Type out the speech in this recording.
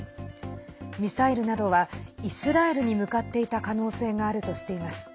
ミサイルなどはイスラエルに向かっていた可能性があるとしています。